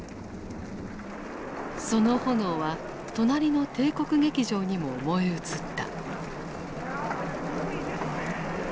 その炎は隣の帝国劇場にも燃え移った。